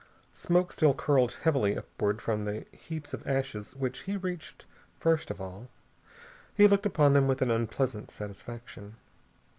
Smoke still curled heavily upward from the heaps of ashes which he reached first of all. He looked upon them with an unpleasant satisfaction.